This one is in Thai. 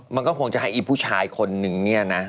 มันก็คงจะให้อีผู้ชายคนนึงเนี่ยนะ